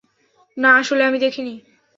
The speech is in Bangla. না, আসলে আমি দেখিনি।